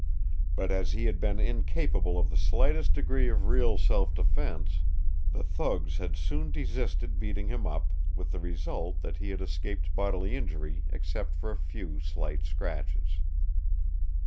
But as he had been incapable of the slightest degree of real self defense, the thugs had soon desisted beating him up, with the result that he had escaped bodily injury except for a few slight scratches.